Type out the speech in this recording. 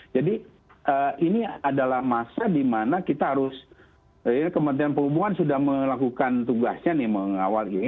ini adalah masa dimana kita harus kementerian perhubungan sudah melakukan tugasnya nih mengawal ini